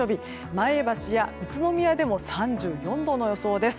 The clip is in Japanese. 前橋や宇都宮でも３４度の予想です。